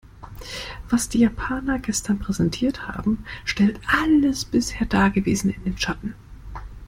Was die Japaner gestern präsentiert haben, stellt alles bisher dagewesene in den Schatten.